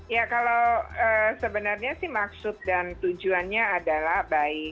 ya kalau sebenarnya sih maksud dan tujuannya adalah baik